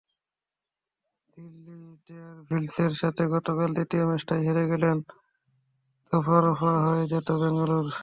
দিল্লি ডেয়ারডেভিলসের কাছে গতকাল দ্বিতীয় ম্যাচটায় হেরে গেলেই দফা-রফা হয়ে যেত বেঙ্গালুরুর।